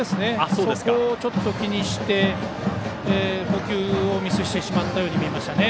そこをちょっと気にして捕球をミスしてしまったように見えました。